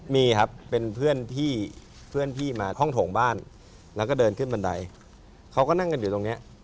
มีครับเป็นเพื่อนพี่เพื่อนพี่มาห้องโถงบ้านแล้วก็เดินขึ้นบันไดเขาก็นั่งกันอยู่ตรงนี้